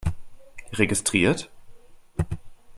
Registriert?